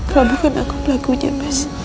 kamu bukan aku pelakunya bes